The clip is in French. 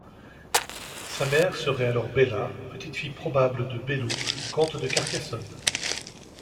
Sa mère serait alors Bella, petite fille probable de Bello, comte de Carcassonne.